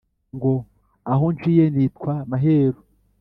Ngo aho nciye nitwa maheru